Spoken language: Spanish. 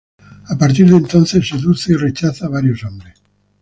A partir de entonces seduce y rechaza a varios hombres.